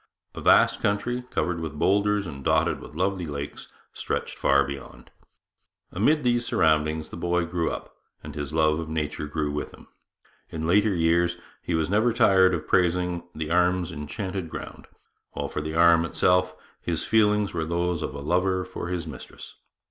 A vast country, covered with boulders and dotted with lovely lakes, stretched far beyond. Amid these surroundings the boy grew up, and his love of nature grew with him. In later years he was never tired of praising the 'Arm's enchanted ground,' while for the Arm itself his feelings were those of a lover for his mistress.